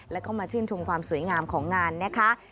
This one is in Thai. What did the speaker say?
แล้วก็มาชื่นชมความสวยงามของงานนะคะ